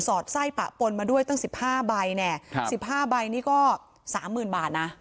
อดไส้ปะปนมาด้วยตั้ง๑๕ใบแน่๑๕ใบนี่ก็๓๐๐๐บาทนะ